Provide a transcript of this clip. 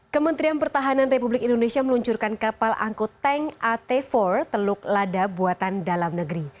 kementerian pertahanan republik indonesia meluncurkan kapal angkut tank at empat teluk lada buatan dalam negeri